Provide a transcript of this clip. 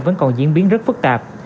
vẫn còn diễn biến rất phức tạp